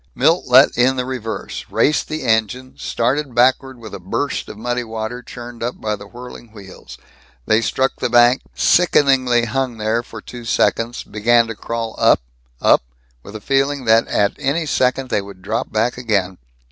Milt let in the reverse, raced the engine, started backward with a burst of muddy water churned up by the whirling wheels. They struck the bank, sickeningly hung there for two seconds, began to crawl up, up, with a feeling that at any second they would drop back again.